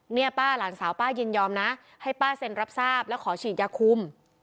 เนี่ยป้าหลานสาวป้ายินยอมนะให้ป้าเซ็นรับทราบแล้วขอฉีดยาคุม